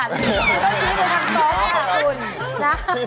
แล้วที่มันชี้มาทางสองกับคุณนะ